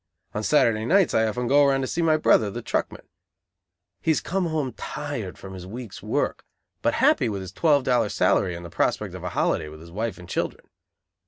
On Saturday nights I often go around to see my brother the truckman. He has come home tired from his week's work, but happy with his twelve dollar salary and the prospect of a holiday with his wife and children.